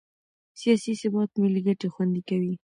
سیاسي ثبات ملي ګټې خوندي کوي